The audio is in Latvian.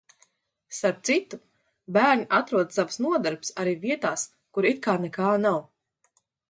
Starp citu, bērni atrod savas nodarbes arī vietās, kur it kā nekā nav.